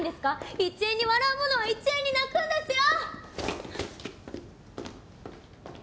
１円に笑う者は１円に泣くんですよ！